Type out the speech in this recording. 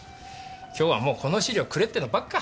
今日はもう「この資料くれ」ってのばっか。